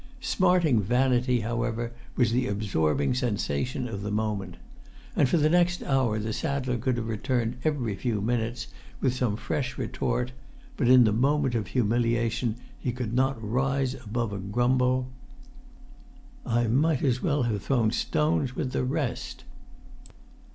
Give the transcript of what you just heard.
Smarting vanity, however, was the absorbing sensation of the moment. And for the next hour the saddler could have returned every few minutes with some fresh retort; but in the moment of humiliation he could not rise above a grumble: "I might as well have thrown stones with the rest!"